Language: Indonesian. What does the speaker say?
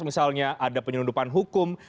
misalnya ada penyelundupan hukum